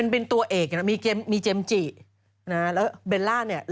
มันเป็นตัวเอกเนี่ยมีเจมส์จี